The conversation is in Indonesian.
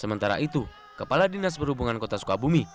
sementara itu kepala dinas perhubungan kota sukabumi